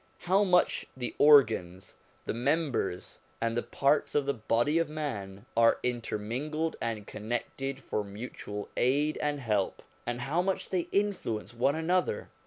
How much the organs, the members, and the parts of the body of man are intermingled and connected for mutual aid and help, and how much they influence one another